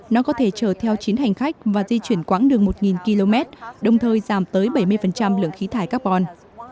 nó có thể chở theo chín hành khách và di chuyển quãng đường một km đồng thời giảm tới bảy mươi lượng khí thải carbon